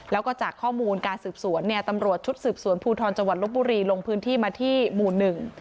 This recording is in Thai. แล้วก็จากข้อมูลการสืบสวนเนี่ยตำรวจชุดสืบสวนภูทรจังหวัดลบบุรีลงพื้นที่มาที่หมู่หนึ่ง